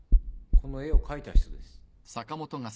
この絵を描いた人です。